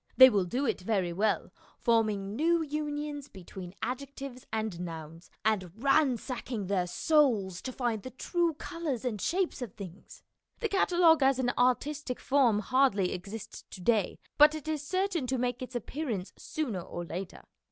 They will do it very well, forming new unions between adjectives and nouns, and ransacking their souls to find the true colours and shapes of things. The catalogue as an artistic form hardly exists to day, but it is certain to make its appearance sooner or later.